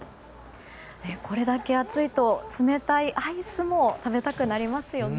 これだけ暑いと冷たいアイスも食べたくなりますよね。